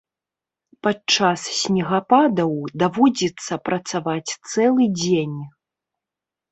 Падчас снегападаў даводзіцца працаваць цэлы дзень.